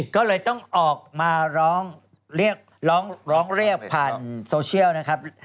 ก็เลยต้องออกมาร้องเรียกผ่านโซเชียลนะครับ